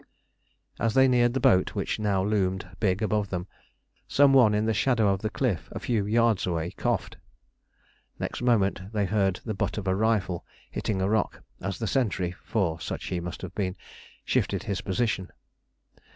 As they neared the boat, which now loomed big above them, some one in the shadow of the cliff a few yards away coughed. Next moment they heard the butt of a rifle hitting a rock as the sentry (for such he must have been) shifted his position.